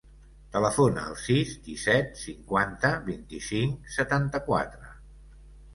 Telefona al sis, disset, cinquanta, vint-i-cinc, setanta-quatre.